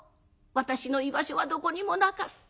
私の居場所はどこにもなかった。